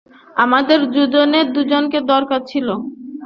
আমাদের দুজনেরই দুজনকে দরকার ছিল।